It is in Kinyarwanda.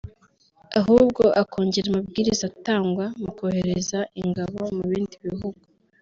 ahubwo akongera amabwiriza atangwa mu kohereza ingabo mu bindi bihugu